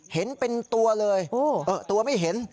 เห็นเป็นตัวเลยตัวไม่เห็น